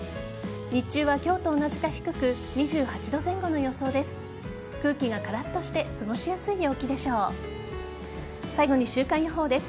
日中は今日と同じか低く２８度前後の予想です。